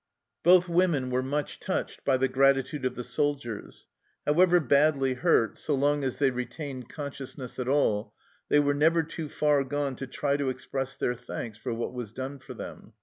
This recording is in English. Both women were much touched by the gratitude of the soldiers ; however badly hurt, so long as they retained consciousness at all, they were never too far gone to try to express their thanks for what was done for them.